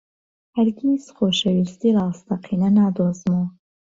هەرگیز خۆشەویستیی ڕاستەقینە نادۆزمەوە.